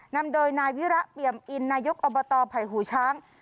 นำโดยนายวิระเปี่ยมอินนายกอบตไผ่หูช้าง